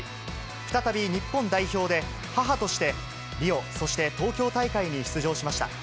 再び日本代表で、母としてリオ、そして東京大会に出場しました。